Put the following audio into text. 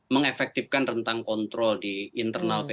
mengefektifkan rentang kontrol di internal pdi